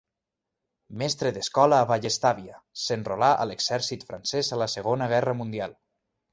Mestre d'escola a Vallestàvia, s'enrolà a l'exèrcit francès a la segona guerra mundial.